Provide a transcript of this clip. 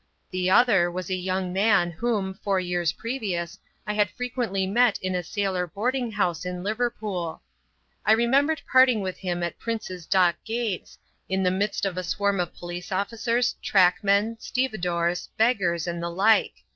The other was a young man, whom, four years previous, I had fre quently met in a sailor boarding house in Liverpool. I re membered parting with him at Prince's Dock Gates, in the midst of a swarm of police officers, truckmen, stevedores, beg gars, and the like.